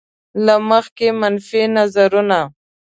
له مخکې منفي نظرونه.